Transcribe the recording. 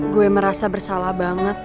gue merasa bersalah banget